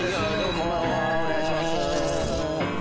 こんばんはお願いします。